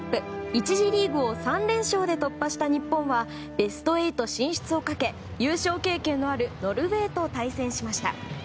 １次リーグを３連勝で突破した日本はベスト８進出をかけ優勝経験のあるノルウェーと対戦しました。